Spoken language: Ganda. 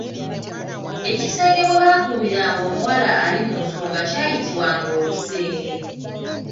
Ekisenge mwe baakuumiranga omuwala ali mu nsonga kyayitibwanga Olusenge.